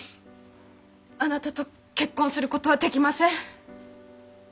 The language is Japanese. あなたと結婚することはできません。